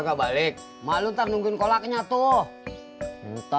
sampai jumpa di video selanjutnya